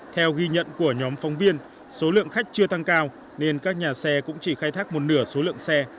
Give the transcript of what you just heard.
theo ghi nhận của nhóm phóng viên số lượng khách chưa tăng cao nên các nhà xe cũng chỉ khai thác một nửa số lượng xe